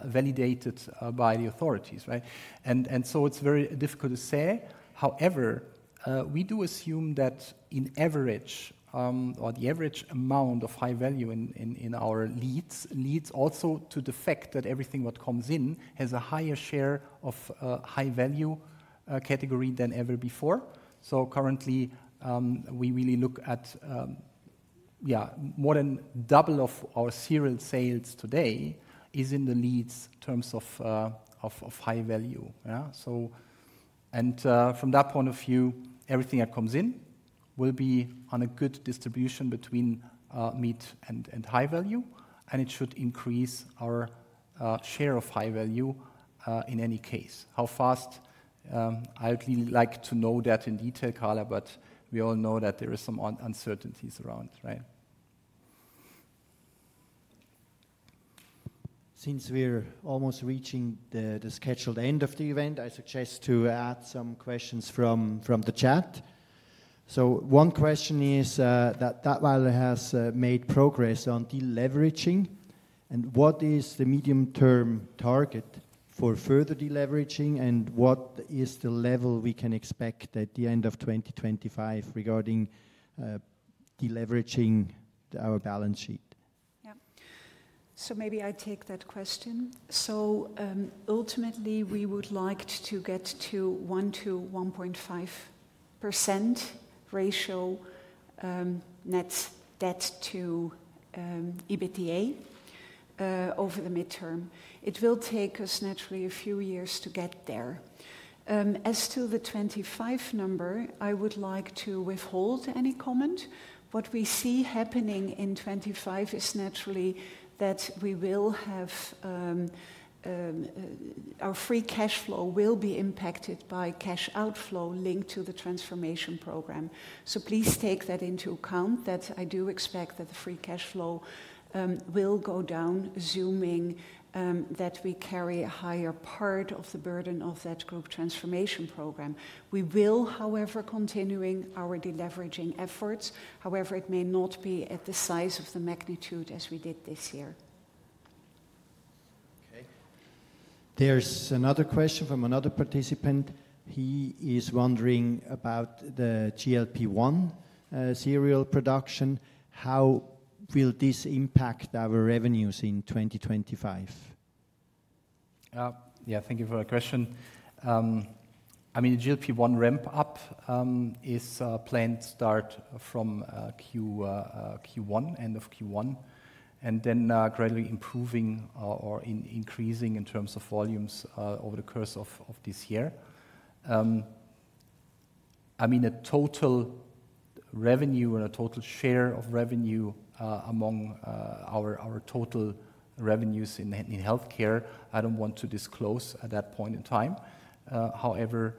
validated by the authorities, right? And so it's very difficult to say. However, we do assume that on average or the average amount of high-value in our leads leads also to the fact that everything that comes in has a higher share of high-value category than ever before. So currently, we really look at, yeah, more than double of our serial sales today is in the leads in terms of high-value. And from that point of view, everything that comes in will be on a good distribution between mid and high-value, and it should increase our share of high-value in any case. How fast? I'd really like to know that in detail, Carla, but we all know that there are some uncertainties around, right? Since we're almost reaching the scheduled end of the event, I suggest to add some questions from the chat. So one question is that while it has made progress on deleveraging, what is the medium-term target for further deleveraging, and what is the level we can expect at the end of 2025 regarding deleveraging our balance sheet? Yeah. So maybe I take that question. So ultimately, we would like to get to 1% to 1.5% ratio net debt to EBITDA over the midterm. It will take us naturally a few years to get there. As to the 25 number, I would like to withhold any comment. What we see happening in 2025 is naturally that we will have our free cash flow will be impacted by cash outflow linked to the transformation program. So please take that into account that I do expect that the free cash flow will go down, assuming that we carry a higher part of the burden of that group transformation program. We will, however, continue our deleveraging efforts, however, it may not be at the size of the magnitude as we did this year. Okay. There's another question from another participant. He is wondering about the GLP-1 serial production. How will this impact our revenues in 2025? Yeah. Thank you for the question. I mean, the GLP-1 ramp-up is planned to start from Q1, end of Q1, and then gradually improving or increasing in terms of volumes over the course of this year. I mean, a total revenue and a total share of revenue among our total revenues in Healthcare, I don't want to disclose at that point in time. However,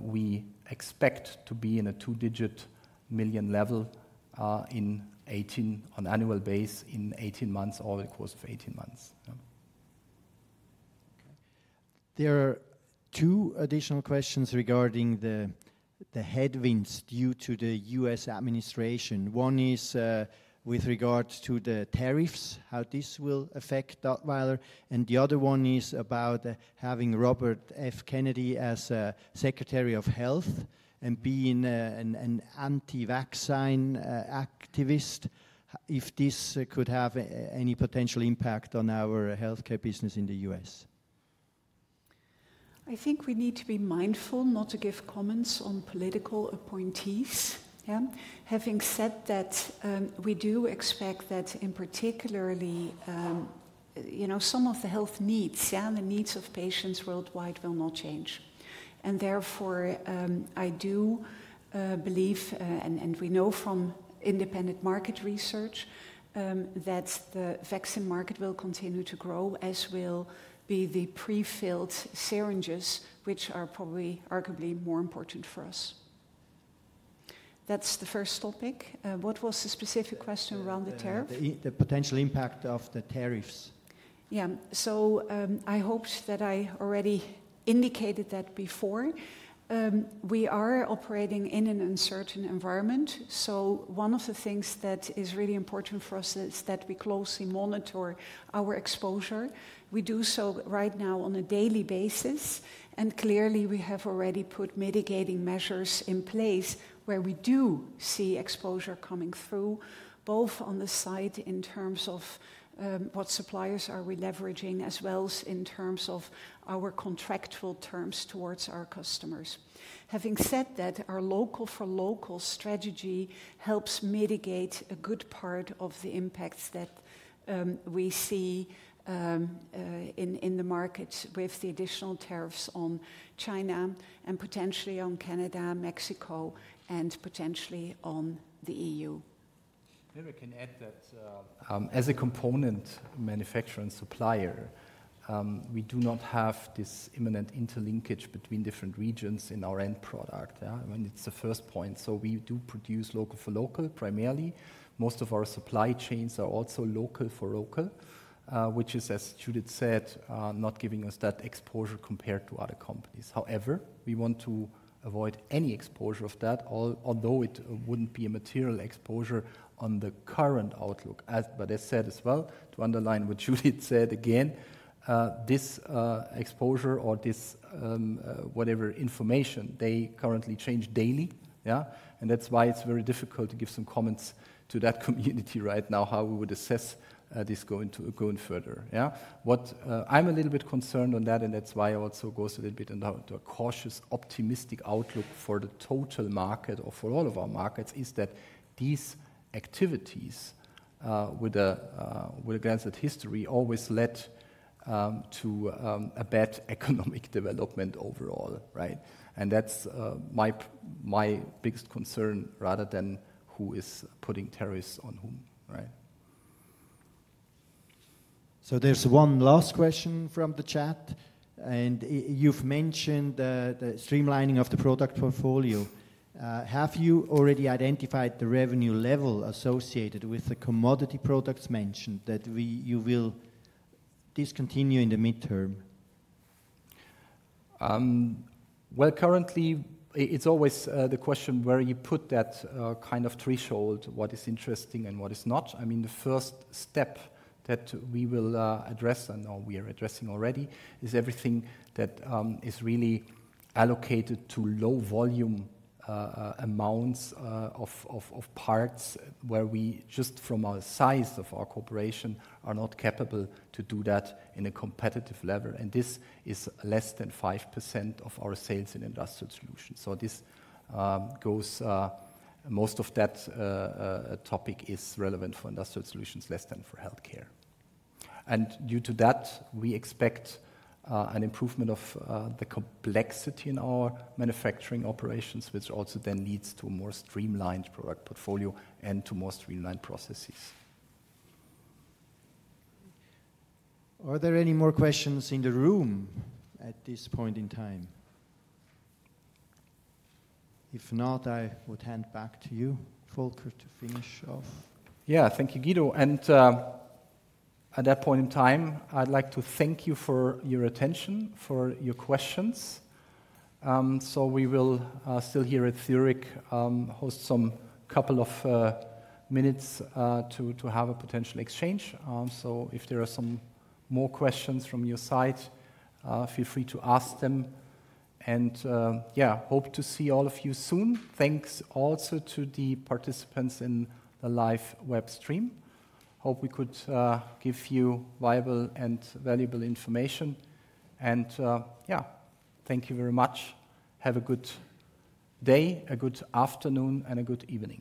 we expect to be in a two-digit million level on an annual basis in 18 months or over the course of 18 months. There are two additional questions regarding the headwinds due to the U.S. administration. One is with regards to the tariffs, how this will affect Datwyler. And the other one is about having Robert F. Kennedy Jr. as Secretary of Health and being an anti-vaccine activist, if this could have any potential impact on our Healthcare business in the U.S. I think we need to be mindful not to give comments on political appointees. Having said that, we do expect that in particular, some of the health needs and the needs of patients worldwide will not change. And therefore, I do believe, and we know from independent market research that the vaccine market will continue to grow, as will be the prefilled syringes, which are probably arguably more important for us. That's the first topic. What was the specific question around the tariff? The potential impact of the tariffs. Yeah. So I hope that I already indicated that before. We are operating in an uncertain environment. So one of the things that is really important for us is that we closely monitor our exposure. We do so right now on a daily basis. And clearly, we have already put mitigating measures in place where we do see exposure coming through, both on the side in terms of what suppliers we are leveraging as well as in terms of our contractual terms towards our customers. Having said that, our local-for-local strategy helps mitigate a good part of the impacts that we see in the markets with the additional tariffs on China and potentially on Canada, Mexico, and potentially on the EU. Maybe I can add that as a component manufacturer and supplier, we do not have this imminent interlinkage between different regions in our end product. I mean, it's the first point. So we do produce local-for-local primarily. Most of our supply chains are also local-for-local, which is, as Judith said, not giving us that exposure compared to other companies. However, we want to avoid any exposure of that, although it wouldn't be a material exposure on the current outlook. But as said as well, to underline what Judith said again, this exposure or this whatever information, they currently change daily. That's why it's very difficult to give some comments on the economy right now, how we would assess this going further. I'm a little bit concerned about that, and that's why I also go a little bit into a cautiously optimistic outlook for the total market or for all of our markets, is that these activities at a glance at history always led to a bad economic development overall, right? That's my biggest concern rather than who is putting tariffs on whom, right? There's one last question from the chat. You've mentioned the streamlining of the product portfolio. Have you already identified the revenue level associated with the commodity products mentioned that you will discontinue in the midterm? Currently, it's always the question where you put that kind of threshold, what is interesting and what is not. I mean, the first step that we will address, and we are addressing already, is everything that is really allocated to low-volume amounts of parts where we just from our size of our corporation are not capable to do that in a competitive level. And this is less than 5% of our sales in Industrial Solutions. So most of that topic is relevant for Industrial Solutions, less than for Healthcare. And due to that, we expect an improvement of the complexity in our manufacturing operations, which also then leads to a more streamlined product portfolio and to more streamlined processes. Are there any more questions in the room at this point in time? If not, I would hand back to you, Volker, to finish off. Yeah, thank you, Guido. And at that point in time, I'd like to thank you for your attention, for your questions. So, we will still be here at Zurich for a couple of minutes to have a potential exchange. So if there are some more questions from your side, feel free to ask them. And yeah, hope to see all of you soon. Thanks also to the participants in the live web stream. Hope we could give you viable and valuable information. And yeah, thank you very much. Have a good day, a good afternoon, and a good evening.